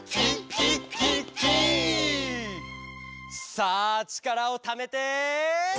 「さあちからをためて」